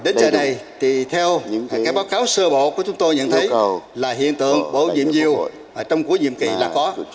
đến giờ này thì theo báo cáo sơ bộ của chúng tôi nhận thấy là hiện tượng bổ nhiệm nhiều trong cuối nhiệm kỳ là có